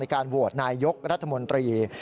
การโหวตนายยกรัฐมนตรี